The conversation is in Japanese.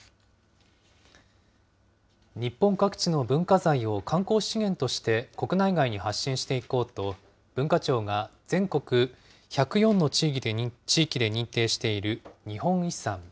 日本各地の文化財を観光資源として国内外に発信していこうと、文化庁が全国１０４の地域で認定している日本遺産。